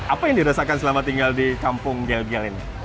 apa yang dirasakan selama tinggal di kampung gel gel ini